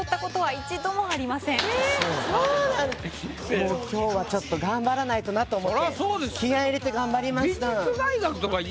もう今日はちょっと頑張らないとなと思って気合い入れて頑張りました。